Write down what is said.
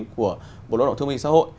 của bộ lao động thương minh xã hội